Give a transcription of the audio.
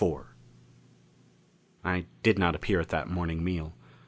IV I did not appear at that morning meal.